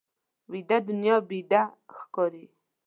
ویده دنیا بنده ښکاري